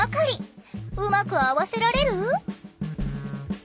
うまく合わせられる？